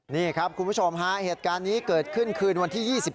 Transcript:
นี่ครับคุณผู้ชมฮะเหตุการณ์นี้เกิดขึ้นคืนวันที่๒๔